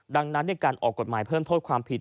ดังนั้นในการออกกฎหมายเพิ่มโทษความผิด